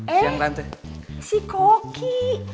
eh si koki